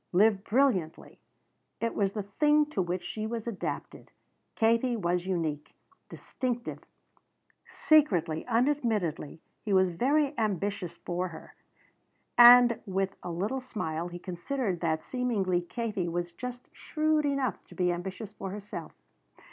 Live brilliantly. It was the thing to which she was adapted. Katie was unique. Distinctive. Secretly, unadmittedly, he was very ambitious for her. And with a little smile he considered that seemingly Katie was just shrewd enough to be ambitious for herself.